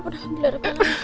ibu tenang tenang